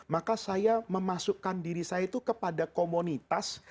maka saya memasukkan diri saya itu kepada komunitas